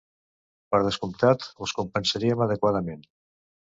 Per descomptat, us compensaríem adequadament.